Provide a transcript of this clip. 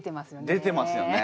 出てますよね。